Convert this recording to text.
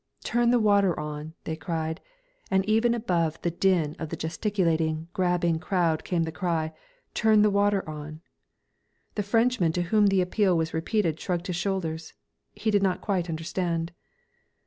"Turn the water on!" they cried, and even above the din of the gesticulating, gabbling crowd came the cry, "Turn the water on!" The Frenchman to whom the appeal was repeated shrugged his shoulders. He did not quite understand.